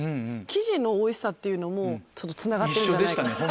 生地のおいしさっていうのもちょっとつながってる。